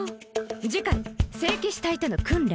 次回聖騎士隊との訓練